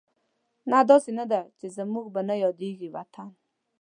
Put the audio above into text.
نه، داسې نه ده چې زموږ به نه یادېږي وطن